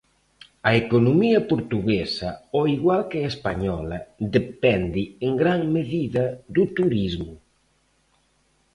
A economía portuguesa, ao igual que a española, depende en gran medida do turismo.